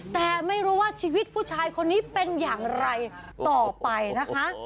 แต่ไม่รู้ว่าชีวิตผู้ชายคนนี้เป็นอย่างไรต่อไปนะคะ